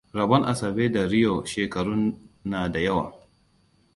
Rabon Asabe da Rio shekarun na da yawa.